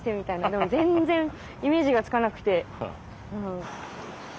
でも全然イメージがつかなくて。